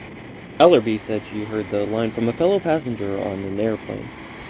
Ellerbee said she heard the line from a fellow passenger on an airplane.